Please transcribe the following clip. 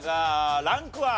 ランクは？